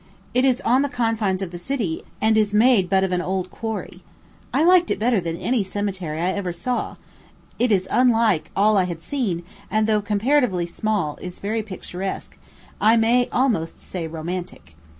It is on the confines of the city, and is made but of an old quarry. I liked it better than any cemetery I ever saw; it is unlike all I had seen, and, though comparatively small, is very picturesque, I may almost say romantic.